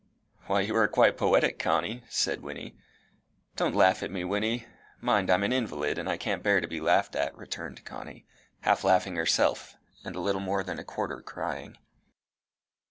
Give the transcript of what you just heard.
"Why, you are quite poetic, Connie," said Wynnie. "Don't laugh at me, Wynnie. Mind I'm an invalid, and I can't bear to be laughed at," returned Connie, half laughing herself, and a little more than a quarter crying.